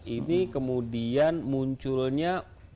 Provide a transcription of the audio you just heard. ini kemudian munculnya